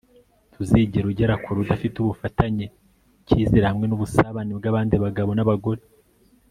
Ntuzigera ugera kure udafite ubufatanye ikizere hamwe nubusabane bwabandi bagabo nabagore